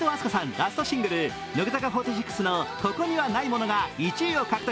ラストシングル乃木坂４６の「ここにはないもの」が１位を獲得。